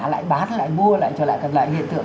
lại bán lại mua lại trở lại hiện tượng